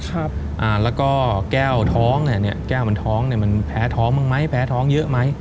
แล้วก็แก้วท้องเนี่ยแก้วมันแพ้ท้องบ้างไหมแพ้ท้องเยอะไหม